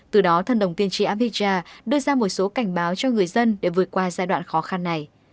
từ đó thần đồng tiên tri abhijit anand đưa ra một số cảnh báo cho người dân để vượt qua giai đoạn khó khăn này